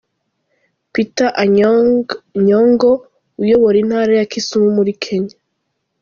Peter Anyang’ Nyong’o uyobora intara ya Kisumu muri Kenya.